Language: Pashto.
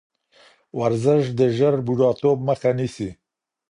ورزش د ژر بوډاتوب مخه نیسي.